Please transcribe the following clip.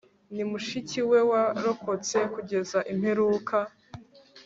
ni mushiki we, warokotse kugeza imperuka